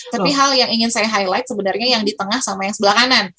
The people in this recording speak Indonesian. tapi hal yang ingin saya highlight sebenarnya yang di tengah sama yang sebelah kanan